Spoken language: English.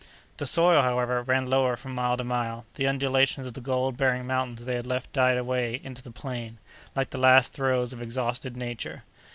The soil, however, ran lower from mile to mile; the undulations of the gold bearing mountains they had left died away into the plain, like the last throes of exhausted Nature.